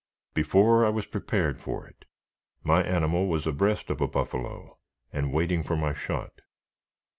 Before I was prepared for it, my animal was abreast of a buffalo, and waiting for my shot.